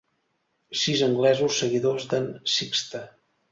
Sis anglesos seguidors d'en Sixte.